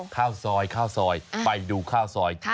ข้าวซอยข้าวซอยไปดูข้าวซอย